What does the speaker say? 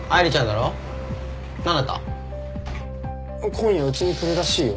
今夜うちに来るらしいよ。